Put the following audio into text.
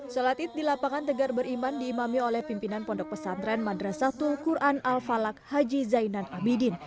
sholat id di lapangan tegar beriman diimami oleh pimpinan pondok pesantren madrasahul quran al falak haji zainan abidin